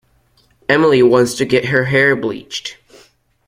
Emily wants to get her hair bleached.